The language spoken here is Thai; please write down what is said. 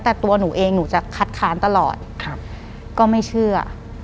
แต่ตัวหนูเองหนูจะคัดค้านตลอดก็ไม่เชื่อ